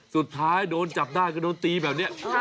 สุดท้ายโดนจับได้ก็โดนตีแบบนี้